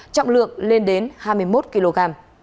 trọng lượng lên đến hai mươi một kg